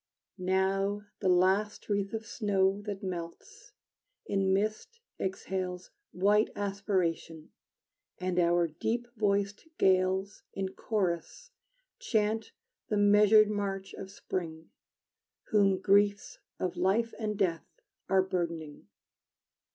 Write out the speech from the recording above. Now the last wreath of snow That melts, in mist exhales White aspiration, and our deep voiced gales In chorus chant the measured march of spring, Whom griefs of life and death Are burdening!